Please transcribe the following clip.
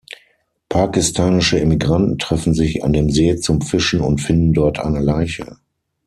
Pakistanische Emigranten treffen sich an dem See zum Fischen und finden dort eine Leiche.